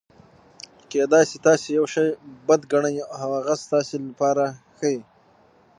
کېدای سي تاسي یوشي بد ګڼى او هغه ستاسي له پاره ښه يي.